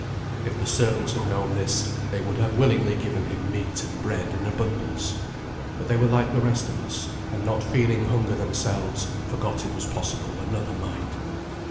If the servants had known this, they would have willingly given him meat and bread in abundance; but they were like the rest of us, and not feeling hunger themselves, forgot it was possible another might.